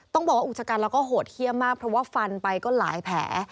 ต้องบอกว่าอุกชกันแล้วก็โหดเยี่ยมมากเพราะว่าฟันไปก็หลายแผล